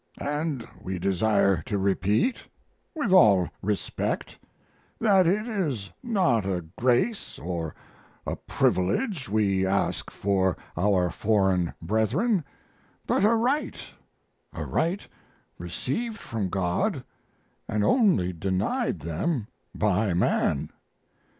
And we desire to repeat, with all respect, that it is not a grace or a privilege we ask for our foreign brethren, but a right a right received from God, and only denied them by man.